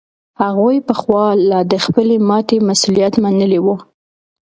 هغوی پخوا لا د خپلي ماتي مسؤولیت منلی و.